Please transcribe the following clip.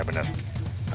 jamil udah agak benar